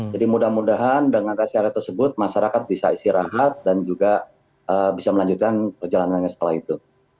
jadi mudah mudahan dengan res area tersebut masyarakat bisa istirahat dan juga bisa melanjutkan perjalanannya setelah itu